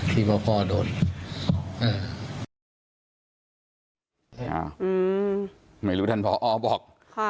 พี่พ่อพ่อโดนอืมไม่รู้ท่านพอบอกค่ะ